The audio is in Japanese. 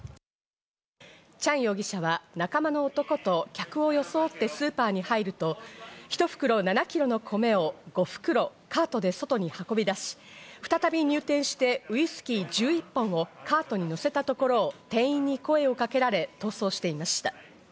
チャン容疑者は仲間の男と客を装ってスーパーに入ると、１袋７ｋｇの米を５袋、カートで外に運び出し、再び入店してウイスキー１１本をカートにのせたところを店員に声をかけられ、逃走していました。